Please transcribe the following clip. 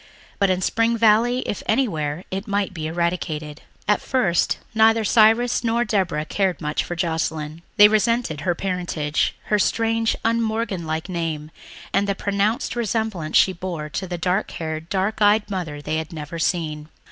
But in Spring Valley, if anywhere, it might be eradicated. At first neither Cyrus nor Deborah cared much for Joscelyn. They resented her parentage, her strange, un Morgan like name, and the pronounced resemblance she bore to the dark haired, dark eyed mother they had never seen.